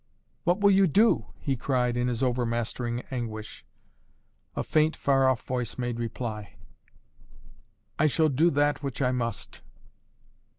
"What will you do?" he cried in his over mastering anguish. A faint, far off voice made reply. "I shall do that which I must!"